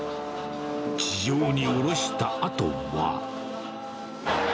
地上に降ろしたあとは。